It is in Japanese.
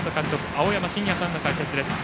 青山眞也さんの解説です。